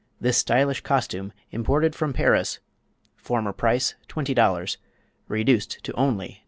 This Stylish Costume (Imported from Paris) Former Price, $20, REDUCED TO ONLY $19.